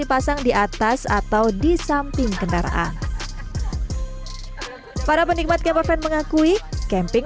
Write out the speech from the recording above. letak di atas atau di samping kendaraan para penikmat yang orang mengakui kemping